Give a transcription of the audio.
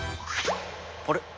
あれ？